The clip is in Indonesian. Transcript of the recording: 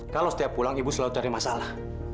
kalau setiap pulang ibu selalu cari masalah